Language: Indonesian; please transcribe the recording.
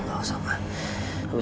gak usah mbak